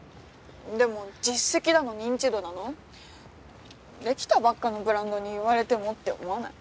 でも実績だの認知度だの出来たばっかのブランドに言われてもって思わない？